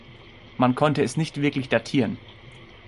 Man konnte es nicht wirklich datieren.